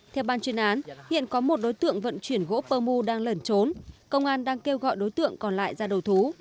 theo ban chuyên án hiện có một đối tượng vận chuyển gỗ pơ mu đang lẩn trốn công an đang kêu gọi đối tượng còn lại ra đầu thú